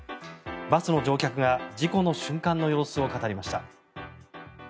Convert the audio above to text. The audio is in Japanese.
バスの乗客が事故の瞬間の様子を語りました。